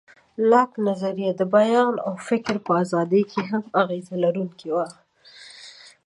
لاک نظریه د بیان او فکر په ازادۍ کې هم اغېز لرونکی و.